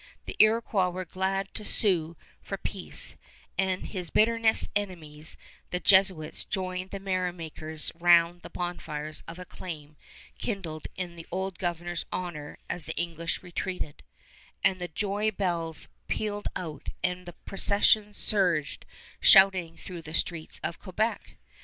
The Iroquois were glad to sue for peace, and his bitterest enemies, the Jesuits, joined the merrymakers round the bonfires of acclaim kindled in the old Governor's honor as the English retreated, and the joy bells pealed out, and processions surged shouting through the streets of Quebec!